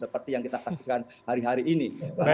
seperti yang kita saksikan hari hari ini